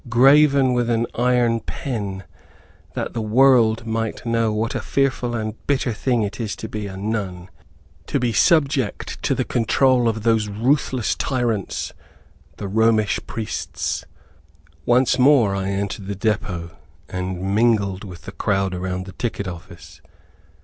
Graven with an iron pen," that the whole world might know what a fearful and bitter thing it is to be a nun! To be subject to the control of those ruthless tyrants, the Romish Priests. Once more I entered the depot, and mingled with the crowd around the ticket office.